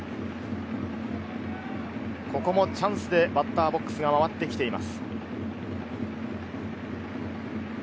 ここもチャンスでバッターボックスが回ってきています。